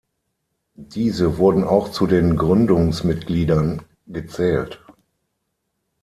Diese wurden auch zu den Gründungsmitgliedern gezählt.